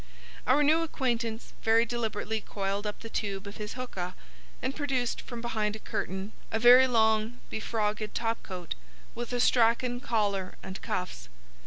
Our new acquaintance very deliberately coiled up the tube of his hookah, and produced from behind a curtain a very long befrogged topcoat with Astrakhan collar and cuffs.